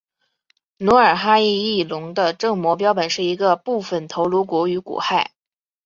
努尔哈赤翼龙的正模标本是一个部份头颅骨与骨骸。